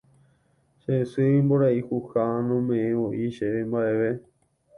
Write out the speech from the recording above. Che sy imboriahu ha nome'ẽivoi chéve mba'eve